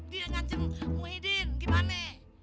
dia ngancam muhyiddin gimana